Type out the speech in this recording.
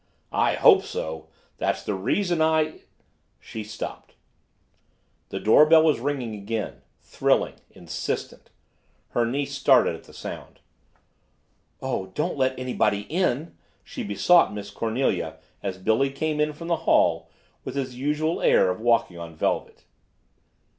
"I hope so! That's the reason I " She stopped. The doorbell was ringing again thrilling, insistent. Her niece started at the sound. "Oh, don't let anybody in!" she besought Miss Cornelia as Billy came in from the hall with his usual air of walking on velvet.